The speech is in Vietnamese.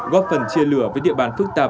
góp phần chia lửa với địa bàn phức tạp